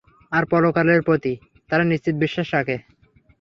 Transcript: আর পরকালের প্রতি তারা নিশ্চিত বিশ্বাস রাখে।